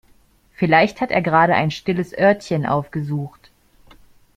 Vielleicht hat er gerade ein stilles Örtchen aufgesucht.